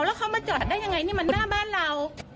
แล้วเขามาจอดได้ยังไงนี่มันหน้าบ้านเรา